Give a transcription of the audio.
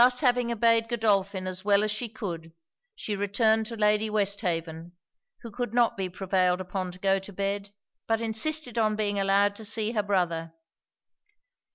Having thus obeyed Godolphin as well as she could; she returned to Lady Westhaven, who could not be prevailed upon to go to bed, but insisted on being allowed to see her brother.